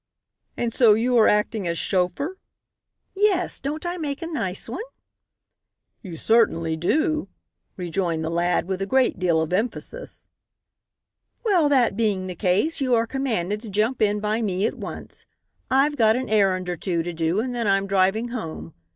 "And so you are acting as chauffeur?" "Yes, don't I make a nice one?" "You certainly do," rejoined the lad with a great deal of emphasis. "Well, that being the case, you are commanded to jump in by me at once. I've got an errand or two to do and then I'm driving home.